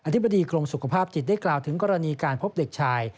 ธิบดีกรมสุขภาพจิตได้กล่าวถึงกรณีการพบเด็กชาย